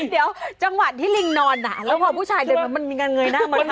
เดี๋ยวจังหวัดที่ลิงค์นอนน่ะแล้วพอผู้ชายเดินมามันมีกันเงยหน้ามาทำนะ